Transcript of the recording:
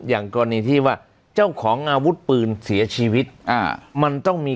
อย่างกรณีที่ว่าเจ้าของอาวุธปืนเสียชีวิตอ่ามันต้องมี